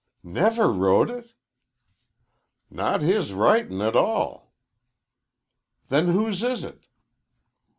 "Never wrote it?" "Not his writin' a tall." "Then whose is it?"